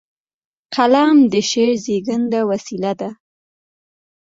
قلم د شعر زیږنده وسیله ده.